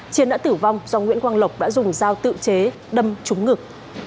chiến đã tử vong do nguyễn quang lộc đã dùng dao tự chế đâm trúng ngực